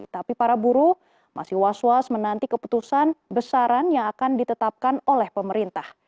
tapi para buruh masih was was menanti keputusan besaran yang akan ditetapkan oleh pemerintah